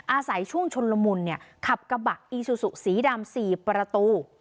อาศัยช่วงชนลมุนเนี่ยขับกระบะอีซูซูสีดำสี่ประตู